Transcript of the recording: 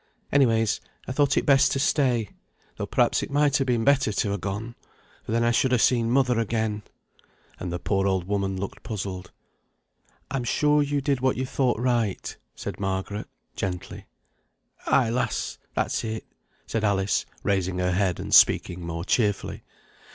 Anyways I thought it best to stay, though perhaps it might have been better to ha' gone, for then I should ha' seen mother again;" and the poor old woman looked puzzled. "I'm sure you did what you thought right," said Margaret, gently. "Ay, lass, that's it," said Alice, raising her head and speaking more cheerfully.